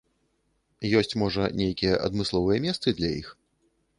Ёсць, можа, нейкія адмысловыя месцы для іх?